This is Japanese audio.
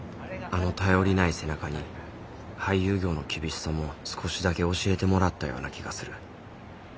あの頼りない背中に俳優業の厳しさも少しだけ教えてもらったような気がする。